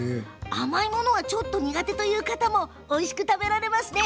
甘いものがちょっと苦手という方もおいしく食べられますね。